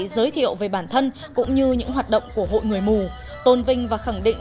giới thiệu về bản thân cũng như những hoạt động của hội người mù tôn vinh và khẳng định